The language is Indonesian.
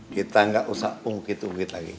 kita gak usah pungkit pungkit lagi